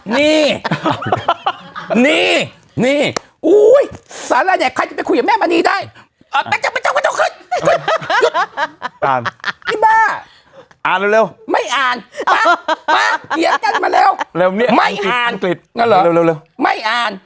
นี่นี่นี่อุ๊ยศราเนี่ยใครจะไปคุยกับแม่มณีได้